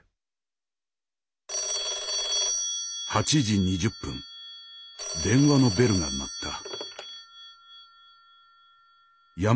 ☎「８時２０分電話のベルが鳴った」。